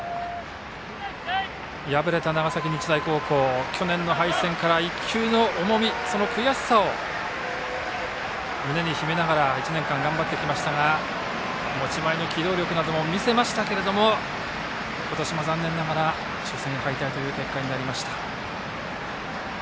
敗れた長崎日大高校去年の敗戦から１球の重みその悔しさを胸に秘めながら１年間頑張ってきましたが持ち前の機動力なども見せましたけども今年も残念ながら初戦敗退という結果になりました。